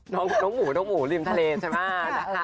น้องหมูลิมทะเลใช่มั้ย